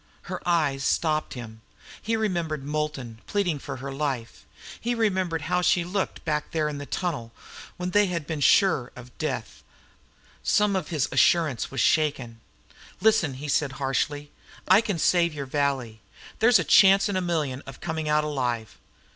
Her eyes stopped him. He remembered Moulton, pleading for her life. He remembered how she had looked back there at the tunnel, when they had been sure of death. Some of his assurance was shaken. "Listen," he said harshly. "I can save your valley. There's a chance in a million of coming out alive.